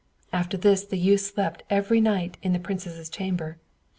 After this the youth slept every night in the princess's chamber.